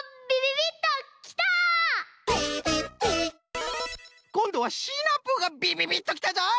「ビビビッ」こんどはシナプーがびびびっときたぞい！